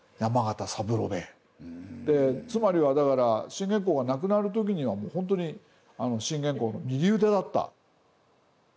つまりはだから信玄公が亡くなる時にはもうほんとに信玄公の右腕だった。